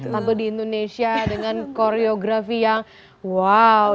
tampil di indonesia dengan koreografi yang wow